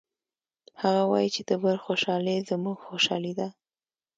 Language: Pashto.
هغه وایي چې د بل خوشحالي زموږ خوشحالي ده